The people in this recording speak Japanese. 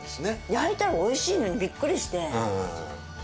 焼いてもおいしいのにビックリして。